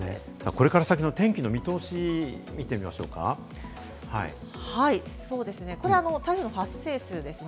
これから先のお天気の見通しをこれ台風の発生数ですね。